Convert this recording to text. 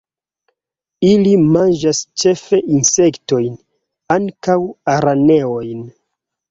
Ili manĝas ĉefe insektojn, ankaŭ araneojn.